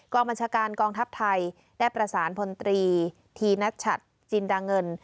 บัญชาการกองทัพไทยได้ประสานพลตรีธีนัชจินดาเงิน